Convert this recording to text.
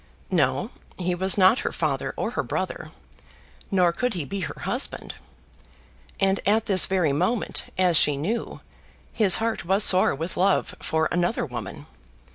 No! He was not her father or her brother; nor could he be her husband. And at this very moment, as she knew, his heart was sore with love for another woman.